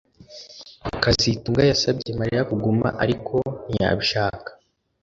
kazitunga yasabye Mariya kuguma ariko ntiyabishaka